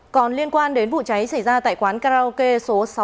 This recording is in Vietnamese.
còn liên quan đến vụ cháy xảy ra tại quán karaoke số sáu mươi tám